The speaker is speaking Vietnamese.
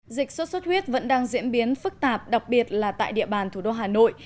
dịch sốt xuất huyết vẫn đang diễn biến phức tạp đặc biệt là tại địa bàn thủ đô hà nội